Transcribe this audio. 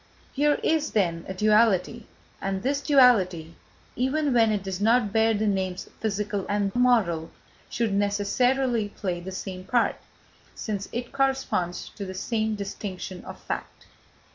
Here is, then, a duality, and this duality, even when it does not bear the names physical and moral, should necessarily play the same part, since it corresponds to the same distinction of fact.